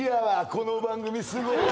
この番組すごいわ。